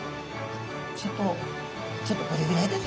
ちょっとちょっとこれぐらいですかね。